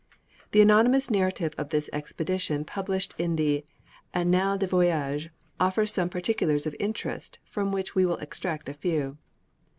The anonymous narrative of this expedition published in the "Annales des Voyages" offers some particulars of interest, from which we will extract a few.